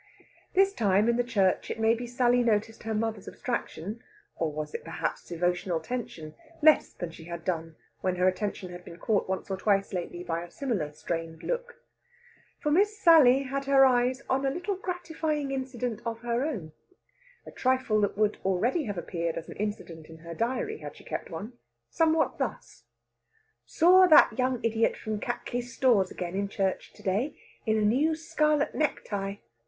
This time, in the church, it may be Sally noticed her mother's abstraction (or was it, perhaps, devotional tension?) less than she had done when her attention had been caught once or twice lately by a similar strained look. For Miss Sally had her eyes on a little gratifying incident of her own a trifle that would already have appeared as an incident in her diary, had she kept one, somewhat thus: "Saw that young idiot from Cattley's Stores again in church to day, in a new scarlet necktie.